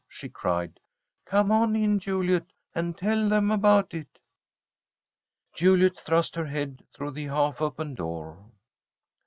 she cried. "Come on in, Juliet, and tell them about it." Juliet thrust her head through the half open door.